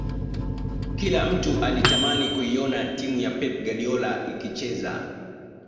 Kila mtu alitamani kuiona timu ya pep guardiola ikicheza